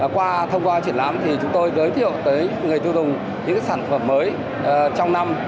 qua thông qua triển lãm thì chúng tôi giới thiệu tới người tiêu dùng những sản phẩm mới trong năm